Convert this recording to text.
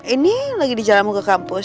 ini lagi di jalan mau ke kampus